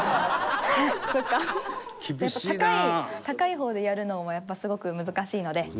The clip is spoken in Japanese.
高い方でやるのもやっぱり、すごく難しいので。